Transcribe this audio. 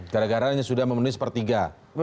gara garanya sudah memenuhi sepertiga